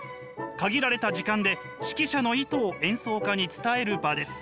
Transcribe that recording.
限られた時間で指揮者の意図を演奏家に伝える場です。